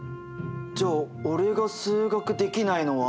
じゃあ俺が数学できないのは。